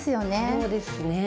そうですね。